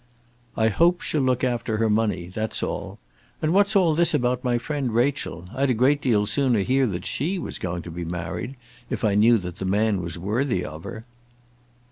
"I hope she'll look after her money, that's all. And what's all this about my friend Rachel? I'd a great deal sooner hear that she was going to be married, if I knew that the man was worthy of her."